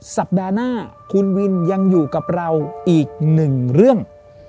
สัปดาห์หน้าคุณวินยังอยู่กับเราอีกหนึ่งเรื่อง